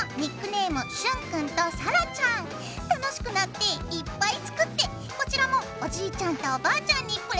楽しくなっていっぱい作ってこちらもおじいちゃんとおばあちゃんにプレゼント！